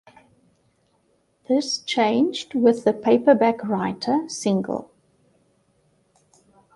This changed with the "Paperback Writer" single.